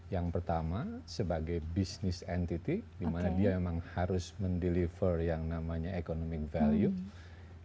yang pertama sebagai business entity dimana dia memang harus mendeliver yang namanya economic value